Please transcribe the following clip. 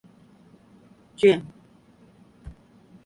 Gyn.